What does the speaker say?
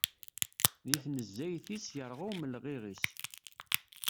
Deg tnezzayt-is, yerɣa umelɣiɣ-is.